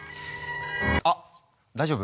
あっ大丈夫？